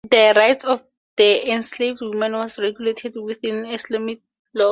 The rights of the enslaved woman was regulated within Islamic law.